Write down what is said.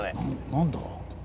何だ？